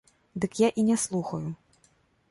Дык я і не слухаю.